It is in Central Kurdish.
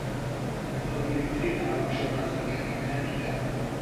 لەگەڵ گرنگترین هاوبەشە بازرگانییەکانیدا